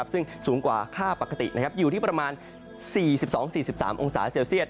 ซึ่งสูงกว่าค่าปกติอยู่ที่๔๒๔๓องศาเซียด